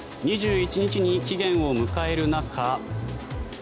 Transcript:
２１日に期限を迎える中。